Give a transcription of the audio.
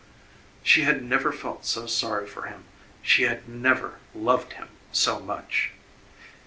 She had never felt so sorry for him; she had never loved him so much.